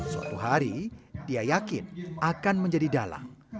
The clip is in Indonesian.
suatu hari dia yakin akan menjadi dalang